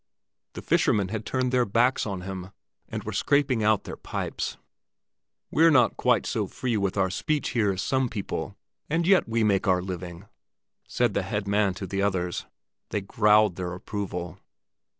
The fishermen had turned their backs on him, and were scraping out their pipes. "We're not quite so free with our speech here as some people, and yet we make our living," said the head man to the others. They growled their approval.